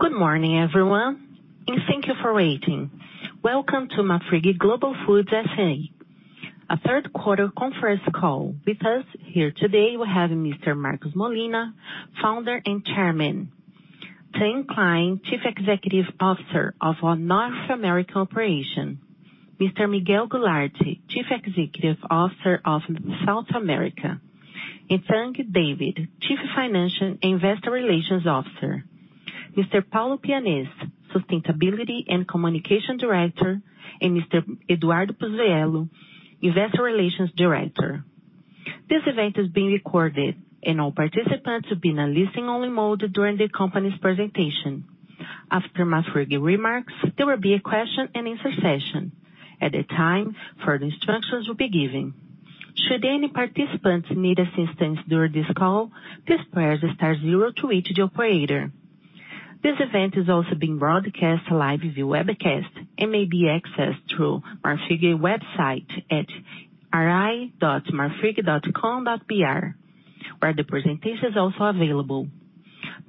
Good morning, everyone, and thank you for waiting. Welcome to Marfrig Global Foods S.A. third quarter conference call. With us here today we have Mr. Marcos Molina, Founder and Chairman, Tim Klein, Chief Executive Officer of our North American operation, Mr. Miguel Gularte, Chief Executive Officer of South America, and Tang David, Chief Financial Investor Relations Officer, Mr. Paulo Pianez, Sustainability and Communication Director, and Mr. Eduardo Puzziello, Investor Relations Director. This event is being recorded, and all participants will be in a listen-only mode during the company's presentation. After Marfrig's remarks, there will be a question-and-answer session. At that time, further instructions will be given. Should any participants need assistance during this call, please press star zero to reach the operator. This event is also being broadcast live via webcast and may be accessed through Marfrig's website at ri.marfrig.com.br, where the presentation is also available.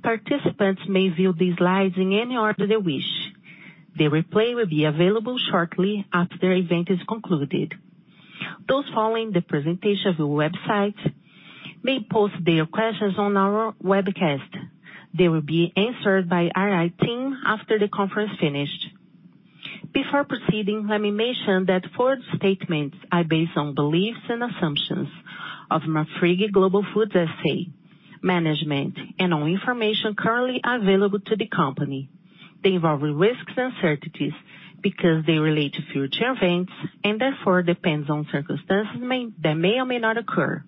Participants may view these slides in any order they wish. The replay will be available shortly after the event is concluded. Those following the presentation on the website may post their questions on our webcast. They will be answered by our team after the conference finishes. Before proceeding, let me mention that forward-looking statements are based on beliefs and assumptions of Marfrig Global Foods S.A. management and on information currently available to the company. They involve risks and uncertainties because they relate to future events and therefore depend on circumstances that may or may not occur.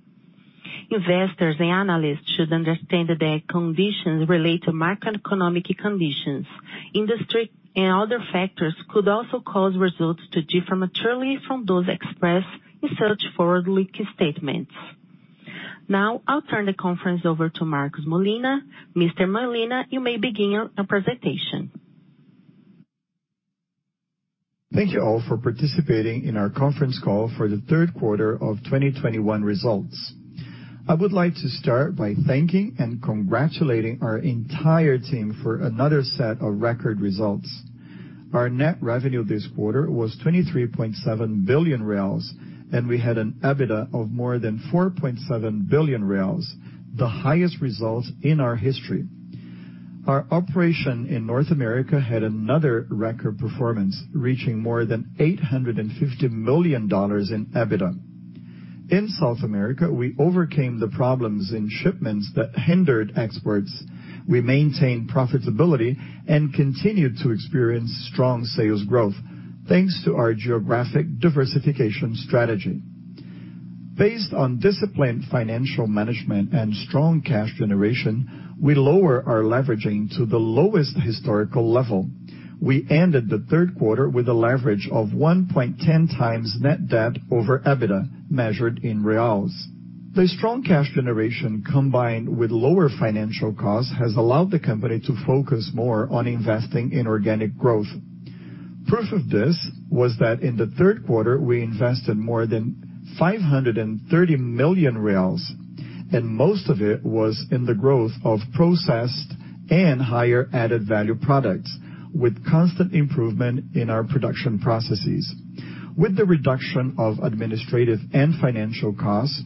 Investors and analysts should understand that conditions related to macroeconomic conditions, industry, and other factors could also cause results to differ materially from those expressed in such forward-looking statements. Now, I'll turn the conference over to Marcos Molina. Mr. Molina, you may begin your presentation. Thank you all for participating in our conference call for the third quarter of 2021 results. I would like to start by thanking and congratulating our entire team for another set of record results. Our net revenue this quarter was 23.7 billion, and we had an EBITDA of more than 4.7 billion, the highest results in our history. Our operation in North America had another record performance, reaching more than $850 million in EBITDA. In South America, we overcame the problems in shipments that hindered exports. We maintained profitability and continued to experience strong sales growth, thanks to our geographic diversification strategy. Based on disciplined financial management and strong cash generation, we lower our leveraging to the lowest historical level. We ended the third quarter with a leverage of 1.10x net debt over EBITDA, measured in BRL. The strong cash generation, combined with lower financial costs, has allowed the company to focus more on investing in organic growth. Proof of this was that in the third quarter, we invested more than 530 million reais, and most of it was in the growth of processed and higher added value products, with constant improvement in our production processes. With the reduction of administrative and financial costs,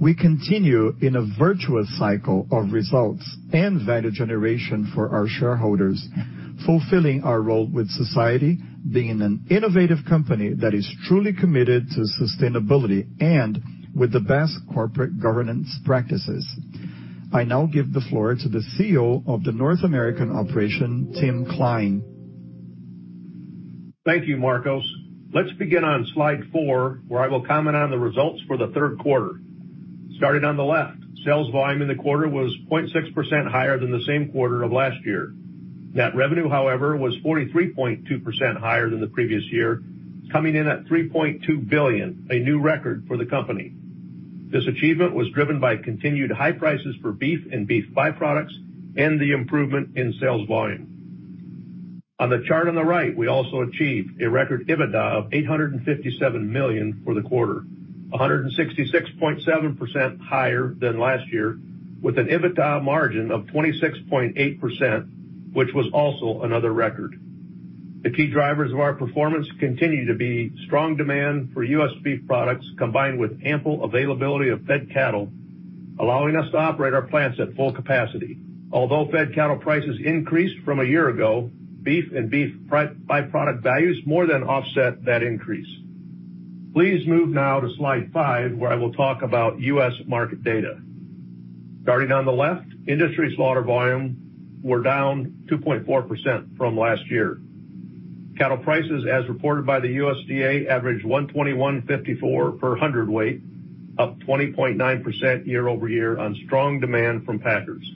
we continue in a virtuous cycle of results and value generation for our shareholders, fulfilling our role with society, being an innovative company that is truly committed to sustainability and with the best corporate governance practices. I now give the floor to the CEO of the North American Operation, Tim Klein. Thank you, Marcos. Let's begin on slide four, where I will comment on the results for the third quarter. Starting on the left, sales volume in the quarter was 0.6% higher than the same quarter of last year. Net revenue, however, was 43.2% higher than the previous year, coming in at 3.2 billion, a new record for the company. This achievement was driven by continued high prices for beef and beef by-products and the improvement in sales volume. On the chart on the right, we also achieved a record EBITDA of 857 million for the quarter, 166.7% higher than last year with an EBITDA margin of 26.8%, which was also another record. The key drivers of our performance continue to be strong demand for U.S. beef products, combined with ample availability of fed cattle, allowing us to operate our plants at full capacity. Although fed cattle prices increased from a year ago, beef and by-product values more than offset that increase. Please move now to slide five, where I will talk about U.S. market data. Starting on the left, industry slaughter volume was down 2.4% from last year. Cattle prices, as reported by the USDA, averaged $121.54 per hundredweight, up 20.9% year-over-year on strong demand from packers.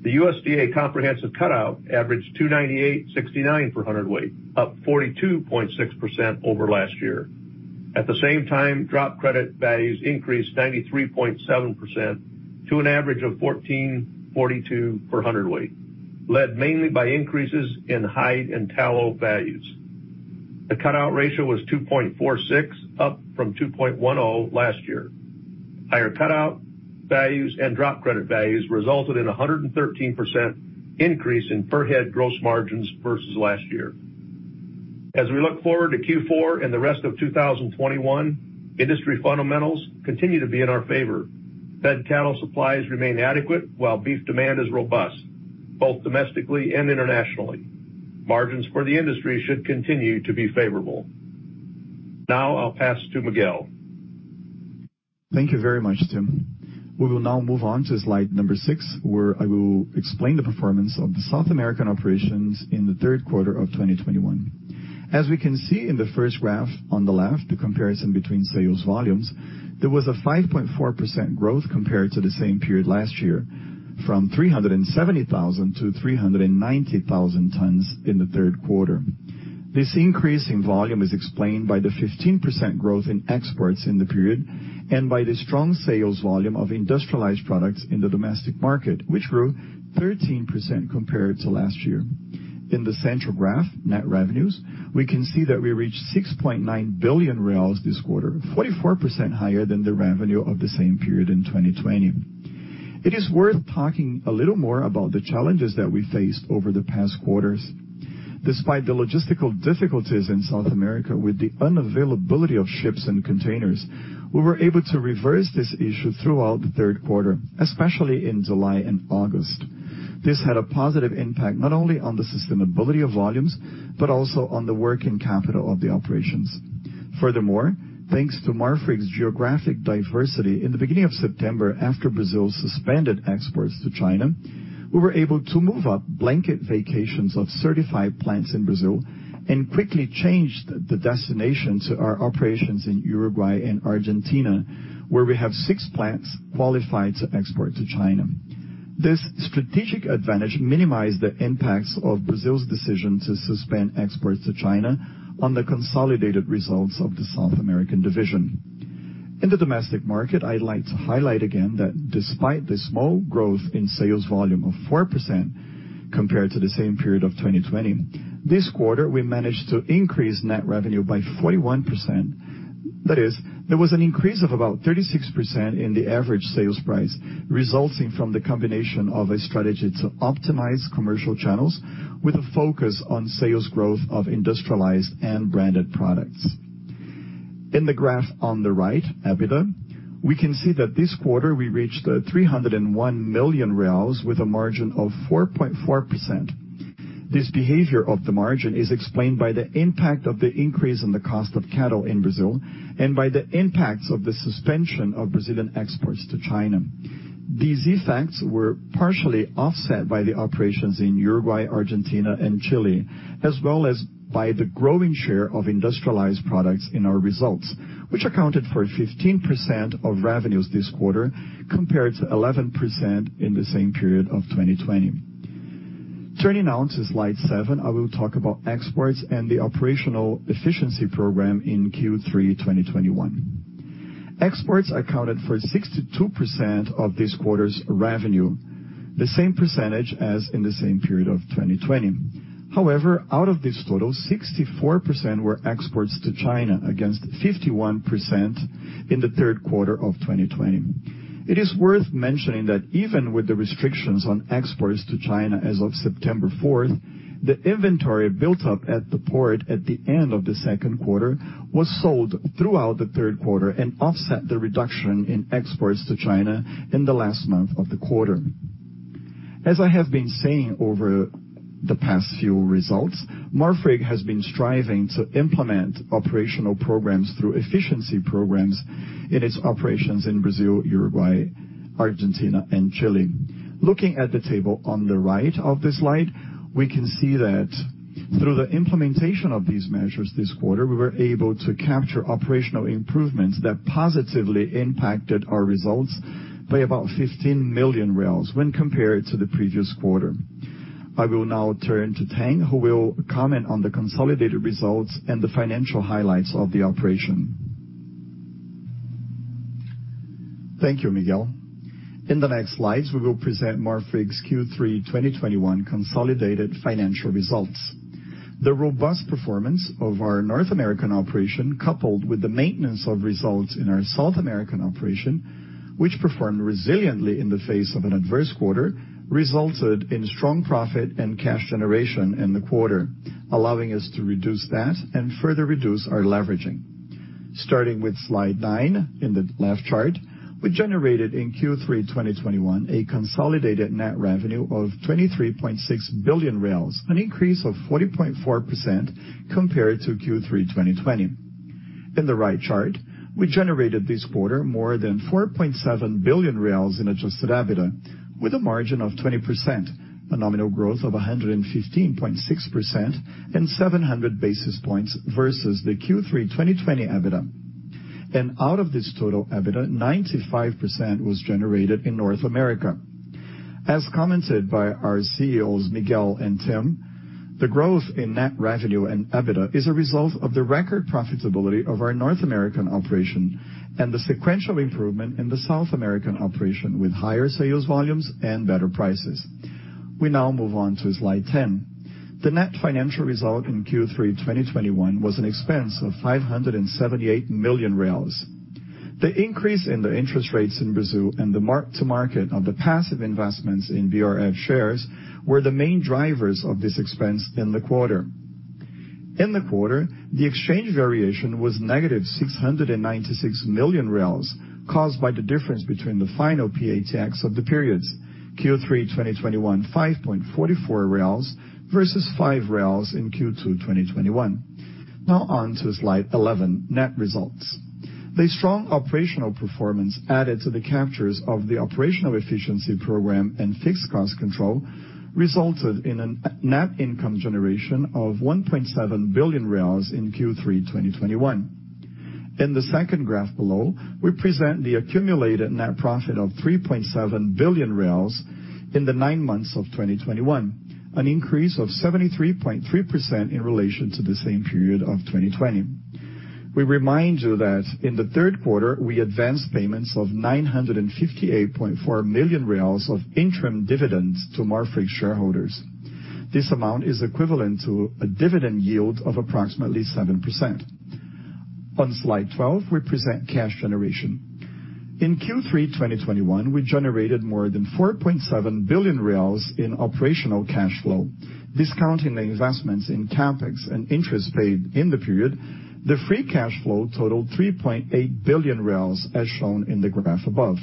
The USDA comprehensive cutout averaged $298.69 per hundredweight, up 42.6% over last year. At the same time, drop credit values increased 93.7% to an average of $14.42 per hundredweight, led mainly by increases in hide and tallow values. The cutout value was $2.46, up from $2.10 last year. Higher cutout values and drop credit values resulted in a 113% increase in per head gross margins versus last year. As we look forward to Q4 and the rest of 2021, industry fundamentals continue to be in our favor. Fed cattle supplies remain adequate while beef demand is robust, both domestically and internationally. Margins for the industry should continue to be favorable. Now I'll pass to Miguel. Thank you very much, Tim. We will now move on to slide number six, where I will explain the performance of the South American operations in the third quarter of 2021. As we can see in the first graph on the left, the comparison between sales volumes, there was a 5.4% growth compared to the same period last year, from 370,000 tons-390,000 tons in the third quarter. This increase in volume is explained by the 15% growth in exports in the period and by the strong sales volume of industrialized products in the domestic market, which grew 13% compared to last year. In the central graph, net revenues, we can see that we reached 6.9 billion reais this quarter, 44% higher than the revenue of the same period in 2020. It is worth talking a little more about the challenges that we faced over the past quarters. Despite the logistical difficulties in South America with the unavailability of ships and containers, we were able to reverse this issue throughout the third quarter, especially in July and August. This had a positive impact, not only on the sustainability of volumes, but also on the working capital of the operations. Furthermore, thanks to Marfrig's geographic diversity, in the beginning of September, after Brazil suspended exports to China, we were able to move up blanket vacations of certified plants in Brazil and quickly change the destination to our operations in Uruguay and Argentina, where we have six plants qualified to export to China. This strategic advantage minimized the impacts of Brazil's decision to suspend exports to China on the consolidated results of the South American division. In the domestic market, I'd like to highlight again that despite the small growth in sales volume of 4% compared to the same period of 2020, this quarter, we managed to increase net revenue by 41%. That is, there was an increase of about 36% in the average sales price resulting from the combination of a strategy to optimize commercial channels with a focus on sales growth of industrialized and branded products. In the graph on the right, EBITDA, we can see that this quarter we reached 301 million reais with a margin of 4.4%. This behavior of the margin is explained by the impact of the increase in the cost of cattle in Brazil and by the impacts of the suspension of Brazilian exports to China. These effects were partially offset by the operations in Uruguay, Argentina, and Chile, as well as by the growing share of industrialized products in our results, which accounted for 15% of revenues this quarter compared to 11% in the same period of 2020. Turning now to slide seven, I will talk about exports and the operational efficiency program in Q3 2021. Exports accounted for 62% of this quarter's revenue, the same percentage as in the same period of 2020. However, out of this total, 64% were exports to China against 51% in the third quarter of 2020. It is worth mentioning that even with the restrictions on exports to China as of September 4th, the inventory built up at the port at the end of the second quarter was sold throughout the third quarter and offset the reduction in exports to China in the last month of the quarter. As I have been saying over the past few results, Marfrig has been striving to implement operational programs through efficiency programs in its operations in Brazil, Uruguay, Argentina, and Chile. Looking at the table on the right of this slide, we can see that through the implementation of these measures this quarter, we were able to capture operational improvements that positively impacted our results by about 15 million when compared to the previous quarter. I will now turn to Tang, who will comment on the consolidated results and the financial highlights of the operation. Thank you, Miguel. In the next slides, we will present Marfrig's Q3 2021 consolidated financial results. The robust performance of our North American operation, coupled with the maintenance of results in our South American operation, which performed resiliently in the face of an adverse quarter, resulted in strong profit and cash generation in the quarter, allowing us to reduce debt and further reduce our leveraging. Starting with slide nine, in the left chart, we generated in Q3 2021 a consolidated net revenue of 23.6 billion, an increase of 40.4% compared to Q3 2020. In the right chart, we generated this quarter more than 4.7 billion reais in Adjusted EBITDA with a margin of 20%, a nominal growth of 115.6% and 700 basis points versus the Q3 2020 EBITDA. Out of this total EBITDA, 95% was generated in North America. As commented by our CEOs, Miguel and Tim, the growth in net revenue and EBITDA is a result of the record profitability of our North American operation and the sequential improvement in the South American operation with higher sales volumes and better prices. We now move on to slide 10. The net financial result in Q3 2021 was an expense of 578 million reais. The increase in the interest rates in Brazil and the mark to market of the passive investments in BRF shares were the main drivers of this expense in the quarter. In the quarter, the exchange variation was -696 million, caused by the difference between the final PTAX of the periods. Q3 2021, 5.44, versus 5 in Q2 2021. Now on to slide 11, net results. The strong operational performance added to the captures of the operational efficiency program and fixed cost control resulted in a net income generation of 1.7 billion reais in Q3, 2021. In the second graph below, we present the accumulated net profit of 3.7 billion in the nine months of 2021, an increase of 73.3% in relation to the same period of 2020. We remind you that in the third quarter, we advanced payments of 958.4 million reais of interim dividends to Marfrig shareholders. This amount is equivalent to a dividend yield of approximately 7%. On slide 12, we present cash generation. In Q3, 2021, we generated more than 4.7 billion reais in operational cash flow. Discounting the investments in CapEx and interest paid in the period, the free cash flow totaled 3.8 billion, as shown in the graph above.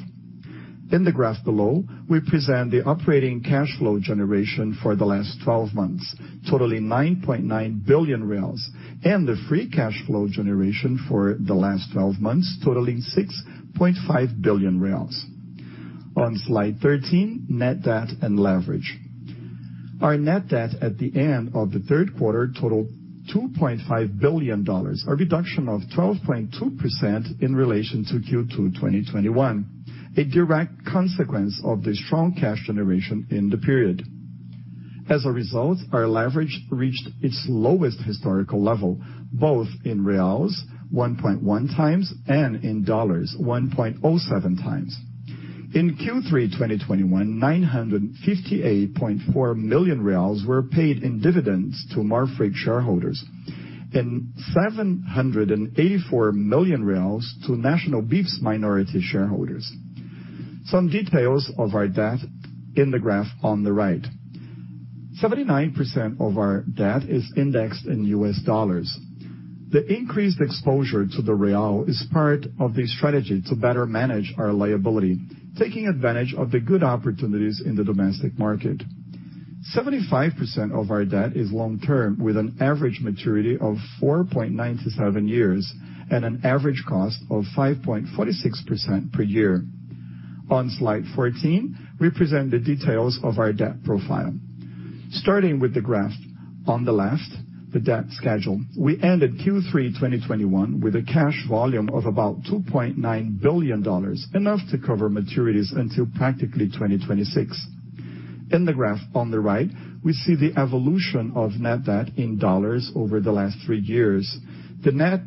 In the graph below, we present the operating cash flow generation for the last 12 months, totaling 9.9 billion reais, and the free cash flow generation for the last 12 months, totaling 6.5 billion reais. On slide 13, net debt and leverage. Our net debt at the end of the third quarter totaled $2.5 billion, a reduction of 12.2% in relation to Q2 2021, a direct consequence of the strong cash generation in the period. As a result, our leverage reached its lowest historical level, both in reals, 1.1x, and in dollars, 1.07x. In Q3 2021, 958.4 million reais were paid in dividends to Marfrig shareholders, and 784 million reais to National Beef's minority shareholders. Some details of our debt in the graph on the right. 79% of our debt is indexed in U.S. dollars. The increased exposure to the real is part of the strategy to better manage our liability, taking advantage of the good opportunities in the domestic market. 75% of our debt is long-term, with an average maturity of 4.97 years and an average cost of 5.46% per year. On slide 14, we present the details of our debt profile. Starting with the graph on the left, the debt schedule, we ended Q3 2021 with a cash volume of about $2.9 billion, enough to cover maturities until practically 2026. In the graph on the right, we see the evolution of net debt in dollars over the last three years. The net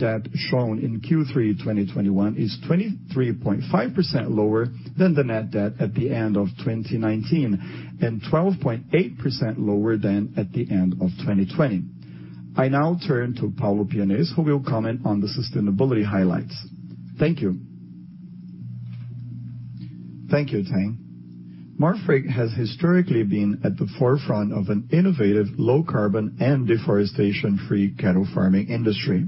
debt shown in Q3 2021 is 23.5% lower than the net debt at the end of 2019, and 12.8% lower than at the end of 2020. I now turn to Paulo Pianez, who will comment on the sustainability highlights. Thank you. Thank you, Tang. Marfrig has historically been at the forefront of an innovative low-carbon and deforestation-free cattle farming industry.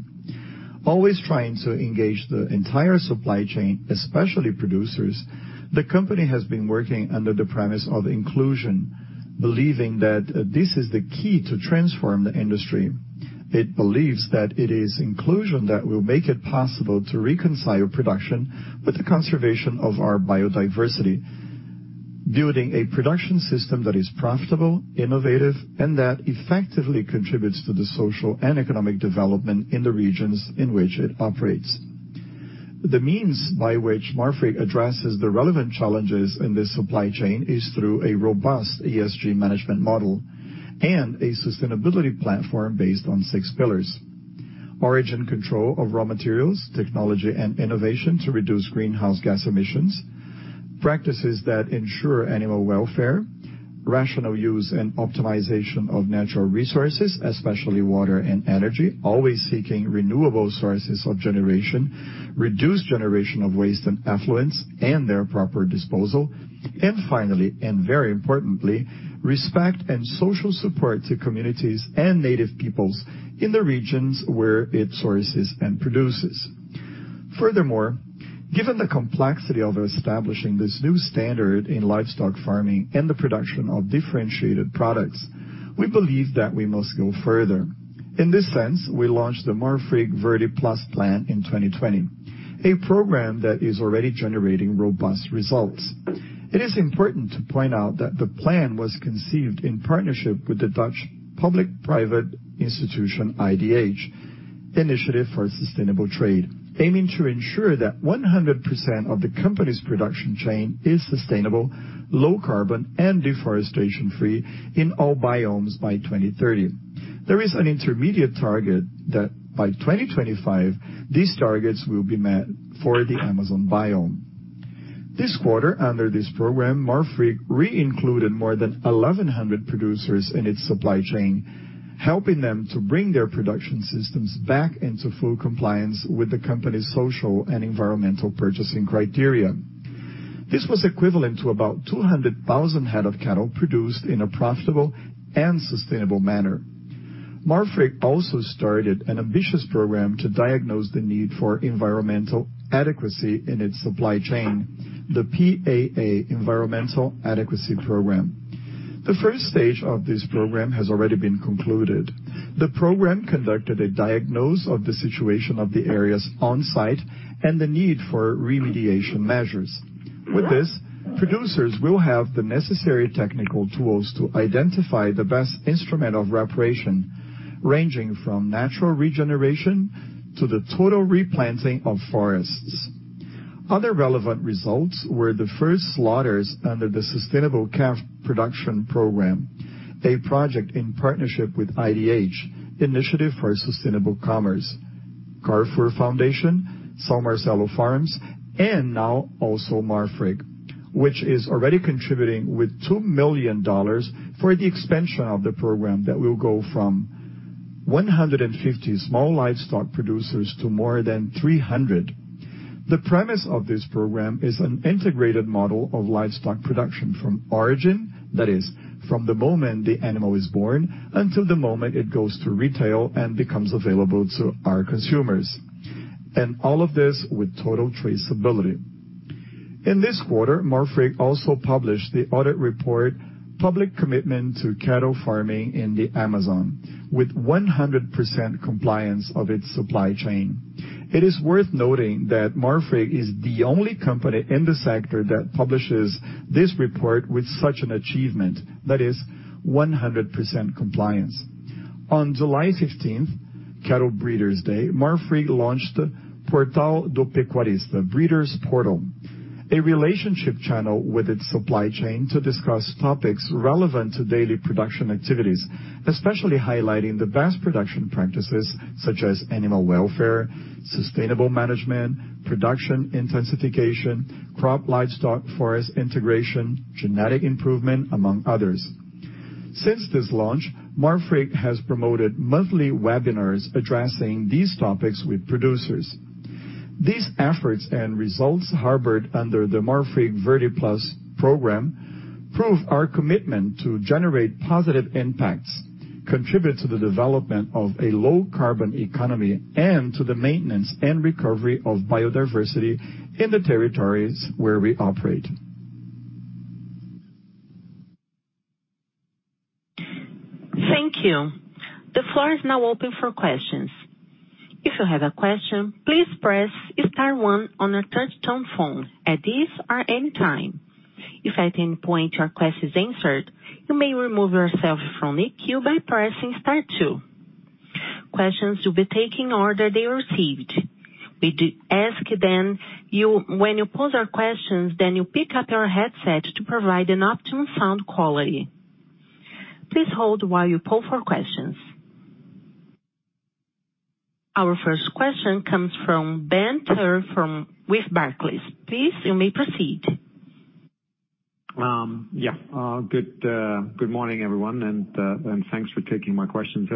Always trying to engage the entire supply chain, especially producers, the company has been working under the premise of inclusion, believing that this is the key to transform the industry. It believes that it is inclusion that will make it possible to reconcile production with the conservation of our biodiversity, building a production system that is profitable, innovative, and that effectively contributes to the social and economic development in the regions in which it operates. The means by which Marfrig addresses the relevant challenges in this supply chain is through a robust ESG management model and a sustainability platform based on six pillars, origin control of raw materials, technology and innovation to reduce greenhouse gas emissions, practices that ensure animal welfare, rational use and optimization of natural resources, especially water and energy, always seeking renewable sources of generation, reduced generation of waste and effluence, and finally, and very importantly, respect and social support to communities and native peoples in the regions where it sources and produces. Furthermore, given the complexity of establishing this new standard in livestock farming and the production of differentiated products, we believe that we must go further. In this sense, we launched the Marfrig Verde+ plan in 2020, a program that is already generating robust results. It is important to point out that the plan was conceived in partnership with the Dutch public-private institution IDH, Initiative for Sustainable Trade, aiming to ensure that 100% of the company's production chain is sustainable, low-carbon, and deforestation-free in all biomes by 2030. There is an intermediate target that by 2025, these targets will be met for the Amazon biome. This quarter, under this program, Marfrig re-included more than 1,100 producers in its supply chain, helping them to bring their production systems back into full compliance with the company's social and environmental purchasing criteria. This was equivalent to about 200,000 head of cattle produced in a profitable and sustainable manner. Marfrig also started an ambitious program to diagnose the need for environmental adequacy in its supply chain, the PAA Environmental Adequacy Program. The first stage of this program has already been concluded. The program conducted a diagnosis of the situation of the areas on-site and the need for remediation measures. With this, producers will have the necessary technical tools to identify the best instrument of reparation, ranging from natural regeneration to the total replanting of forests. Other relevant results were the first slaughters under the Sustainable Calf Production Program, a project in partnership with IDH, Initiative for Sustainable Trade, Carrefour Foundation, São Marcelo Farm, and now also Marfrig, which is already contributing with $2 million for the expansion of the program that will go from 150 small livestock producers to more than 300. The premise of this program is an integrated model of livestock production from origin, that is, from the moment the animal is born until the moment it goes to retail and becomes available to our consumers. All of this with total traceability. In this quarter, Marfrig also published the audit report, Public Commitment through Cattle Farming in the Amazon, with 100% compliance of its supply chain. It is worth noting that Marfrig is the only company in the sector that publishes this report with such an achievement, that is 100% compliance. On July 15th, Cattle Breeders' Day, Marfrig launched Portal do Pecuarista, Breeders Portal, a relationship channel with its supply chain to discuss topics relevant to daily production activities, especially highlighting the best production practices such as animal welfare, sustainable management, production intensification, crop-livestock-forest integration, genetic improvement, among others. Since this launch, Marfrig has promoted monthly webinars addressing these topics with producers. These efforts and results harbored under the Marfrig Verde+ program prove our commitment to generate positive impacts, contribute to the development of a low-carbon economy, and to the maintenance and recovery of biodiversity in the territories where we operate. Thank you. The floor is now open for questions. If you have a question, please press star one on a touch-tone phone at this or any time. If at any point your question is answered, you may remove yourself from the queue by pressing star two. Questions will be taken in order they are received. We do ask that when you pose your questions, you pick up your headset to provide an optimum sound quality. Please hold while we poll for questions. Our first question comes from Ben Theurer with Barclays. Please, you may proceed. Yeah. Good morning, everyone. Thanks for taking my question.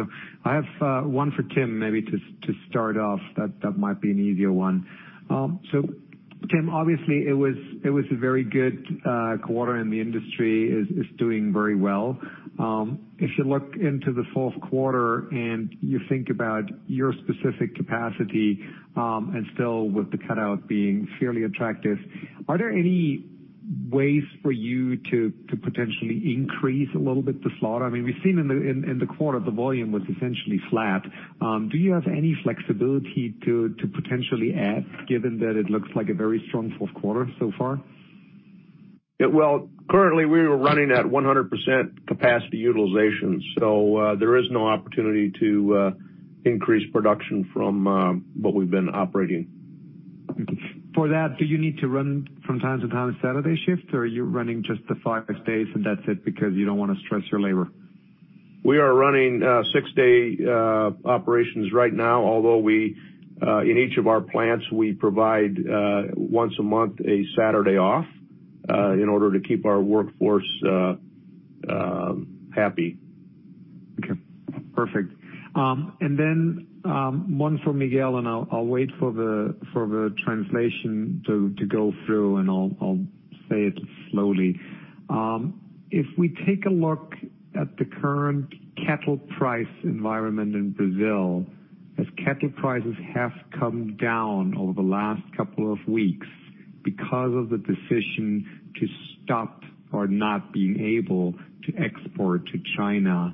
I have one for Tim, maybe to start off, that might be an easier one. Tim, obviously, it was a very good quarter, and the industry is doing very well. If you look into the fourth quarter and you think about your specific capacity, and still with the cutout being fairly attractive, are there any ways for you to potentially increase a little bit the slaughter? I mean, we've seen in the quarter, the volume was essentially flat. Do you have any flexibility to potentially add, given that it looks like a very strong fourth quarter so far? Yeah. Well, currently we were running at 100% capacity utilization, so there is no opportunity to increase production from what we've been operating. For that, do you need to run from time to time a Saturday shift, or are you running just the five days and that's it because you don't wanna stress your labor? We are running six-day operations right now. Although we, in each of our plants, we provide once a month a Saturday off in order to keep our workforce happy. Okay, perfect. One for Miguel, and I'll wait for the translation to go through, and I'll say it slowly. If we take a look at the current cattle price environment in Brazil, as cattle prices have come down over the last couple of weeks because of the decision to stop or not being able to export to China,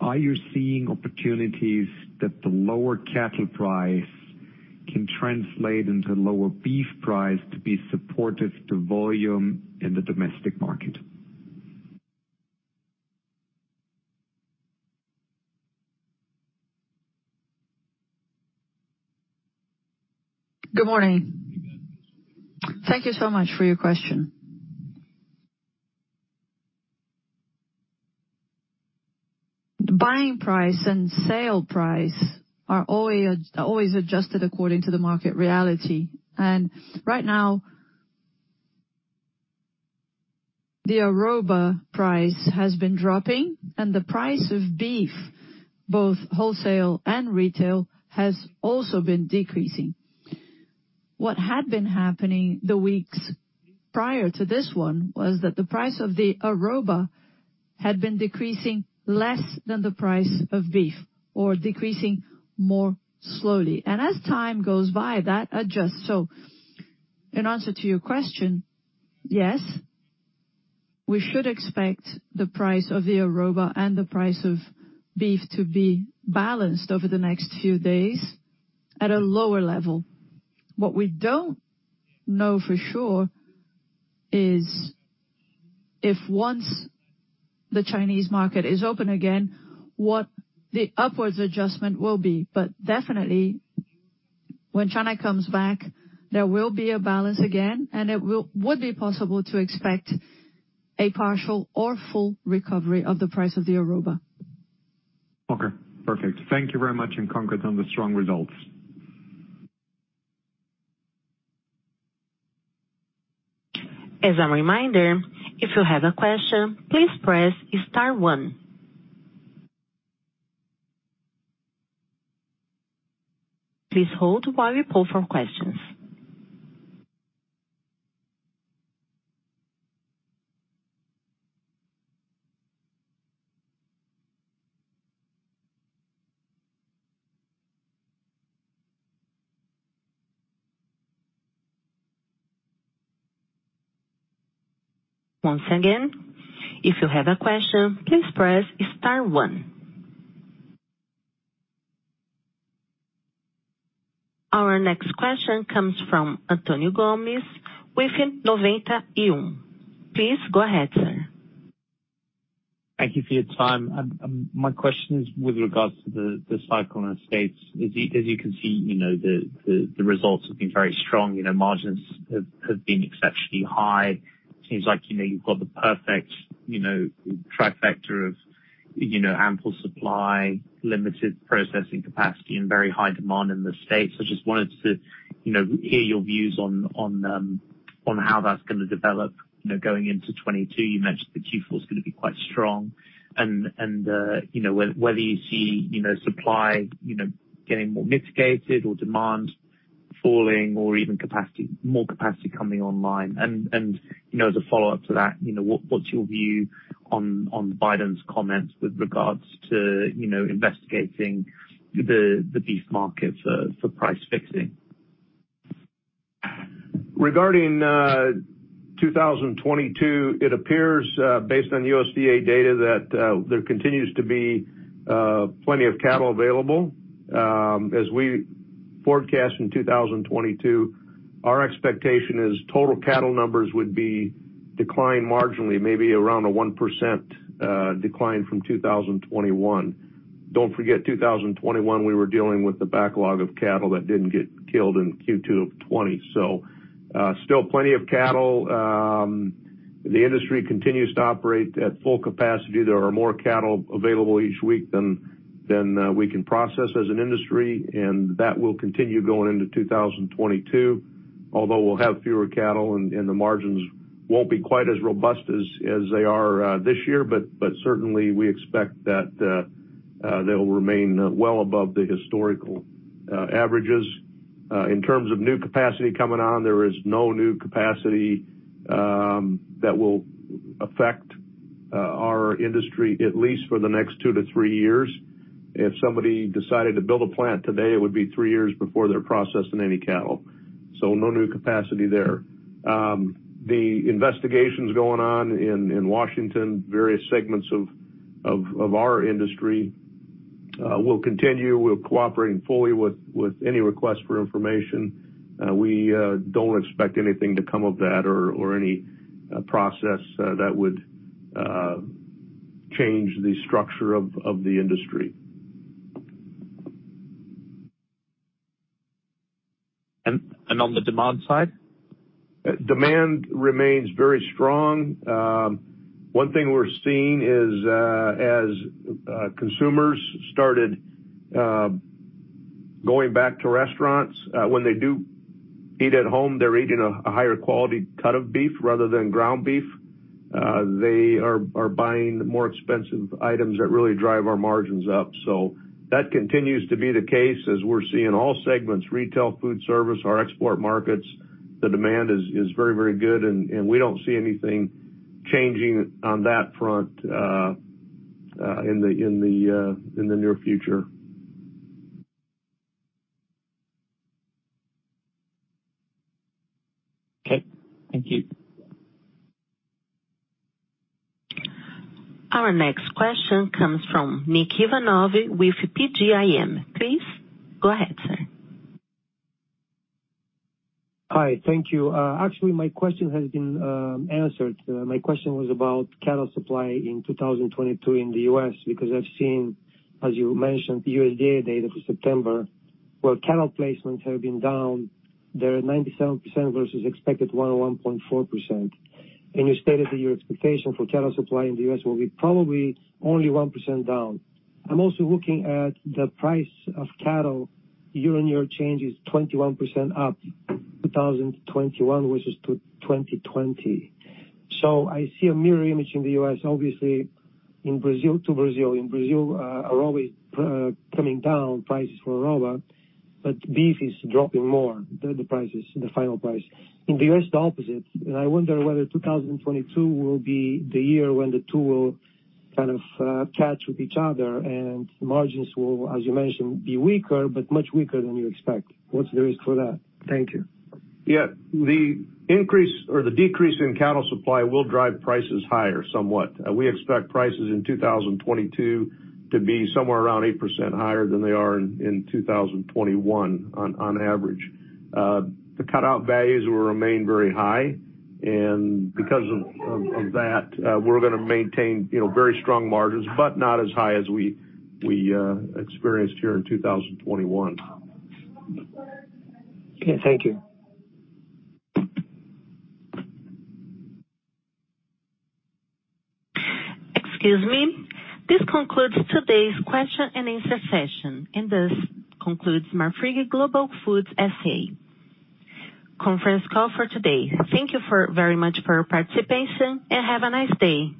are you seeing opportunities that the lower cattle price can translate into lower beef price to be supportive to volume in the domestic market? Good morning. Thank you so much for your question. The buying price and sale price are always adjusted according to the market reality. Right now, the arroba price has been dropping and the price of beef, both wholesale and retail, has also been decreasing. What had been happening the weeks prior to this one was that the price of the arroba had been decreasing less than the price of beef or decreasing more slowly. As time goes by, that adjusts. In answer to your question, yes, we should expect the price of the arroba and the price of beef to be balanced over the next few days at a lower level. What we don't know for sure is if once the Chinese market is open again, what the upwards adjustment will be. Definitely when China comes back, there will be a balance again, and would be possible to expect a partial or full recovery of the price of the arroba. Okay. Perfect. Thank you very much, and congrats on the strong results. Our next question comes from Antonio Gomes with Ninety One. Please go ahead, sir. Thank you for your time. My question is with regards to the cycle in the States. As you can see, you know, the results have been very strong. You know, margins have been exceptionally high. Seems like, you know, you've got the perfect, you know, trifecta of, you know, ample supply, limited processing capacity and very high demand in the States. I just wanted to, you know, hear your views on how that's gonna develop, you know, going into 2022. You mentioned that Q4 is gonna be quite strong and you know, whether you see, you know, supply, you know, getting more mitigated or demand falling or even capacity, more capacity coming online. You know, as a follow-up to that, you know, what's your view on Biden's comments with regards to, you know, investigating the beef market for price fixing? Regarding 2022, it appears based on USDA data that there continues to be plenty of cattle available. As we forecast in 2022, our expectation is total cattle numbers would be declined marginally, maybe around a 1% decline from 2021. Don't forget, 2021 we were dealing with the backlog of cattle that didn't get killed in Q2 of 2020. Still plenty of cattle. The industry continues to operate at full capacity. There are more cattle available each week than we can process as an industry, and that will continue going into 2022. Although we'll have fewer cattle and the margins won't be quite as robust as they are this year, but certainly we expect that they'll remain well above the historical averages. In terms of new capacity coming on, there is no new capacity that will affect our industry, at least for the next two to three years. If somebody decided to build a plant today, it would be three years before they're processing any cattle. No new capacity there. The investigations going on in Washington, various segments of our industry, will continue. We're cooperating fully with any request for information. We don't expect anything to come of that or any process that would change the structure of the industry. And on the demand side? Demand remains very strong. One thing we're seeing is, as consumers started going back to restaurants, when they do eat at home, they're eating a higher quality cut of beef rather than ground beef. They are buying more expensive items that really drive our margins up. That continues to be the case as we're seeing all segments, retail, food service, our export markets. The demand is very, very good and we don't see anything changing on that front in the near future. Okay. Thank you. Our next question comes from Nick Ivanov with PGIM. Please go ahead, sir. Hi. Thank you. Actually, my question has been answered. My question was about cattle supply in 2022 in the U.S., because I've seen, as you mentioned, the USDA data for September, where cattle placements have been down. They're at 97% versus expected 101.4%. You stated that your expectation for cattle supply in the U.S. will be probably only 1% down. I'm also looking at the price of cattle year-on-year change is 21% up, 2021 versus 2020. I see a mirror image in the U.S., obviously in Brazil too. In Brazil, arroba is coming down, prices for arroba, but beef is dropping more, the prices, the final price. In the U.S., the opposite. I wonder whether 2022 will be the year when the two will kind of catch up with each other and margins will, as you mentioned, be weaker, but much weaker than you expect. What's the risk for that? Thank you. Yeah. The increase or the decrease in cattle supply will drive prices higher somewhat. We expect prices in 2022 to be somewhere around 8% higher than they are in 2021 on average. The cutout values will remain very high, and because of that, we're gonna maintain, you know, very strong margins, but not as high as we experienced here in 2021. Okay, thank you. Excuse me. This concludes today's question-and-answer session, and this concludes Marfrig Global Foods S.A. conference call for today. Thank you very much for your participation, and have a nice day.